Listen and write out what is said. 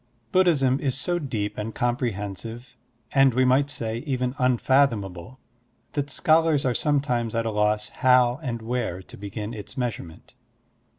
BUDDHISM is so deep and comprehensive — and, we might say, even unfathomable — that scholars are sometimes at a loss how and where to begin its measurement.